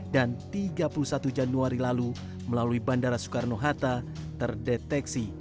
dan tiga puluh satu januari lalu melalui bandara soekarno hatta terdeteksi